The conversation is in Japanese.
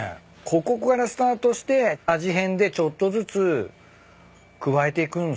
ここからスタートして味変でちょっとずつ加えていくんすかね？